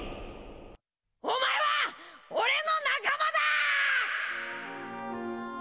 お前は俺の仲間だー！！